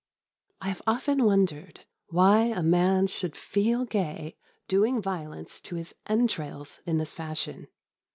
I have often wondered why a man should feel gay doing violence to his entrails in this fashion.